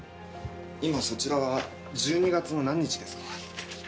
今そちらは１２月の何日ですか？